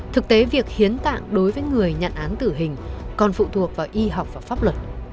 thực tế việc hiến tạng đối với người nhận án tử hình còn phụ thuộc vào y học và pháp luật